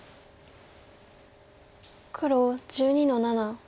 黒１２の七。